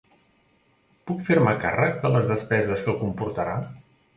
Puc fer-me càrrec de les despeses que comportarà?